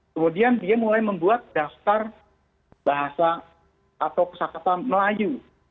kemudian dia mulai membuat daftar bahasa atau kesakatan melayu